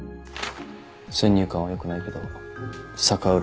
先入観はよくないけど逆恨み？